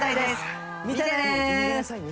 見てね！